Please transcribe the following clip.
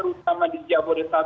utama di jabodetabek